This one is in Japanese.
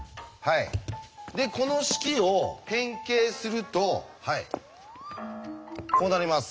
でこの式を変形するとこうなります。